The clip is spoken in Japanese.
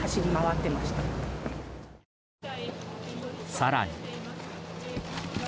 更に。